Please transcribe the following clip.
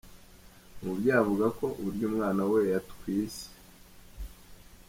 Umubyeyi avuga ko uburyo umwana we yatwise